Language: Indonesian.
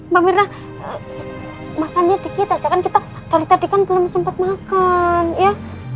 mbak mirna makannya dikit aja kan kita dari tadi kan belum sempat makan ya